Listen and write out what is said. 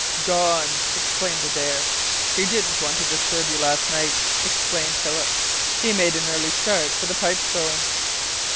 "Gone!" exclaimed Adare. "He didn't want to disturb you last night," explained Philip. "He made an early start for the Pipestone."